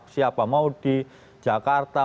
siapa mau di jakarta